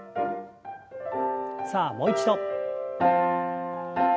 さあもう一度。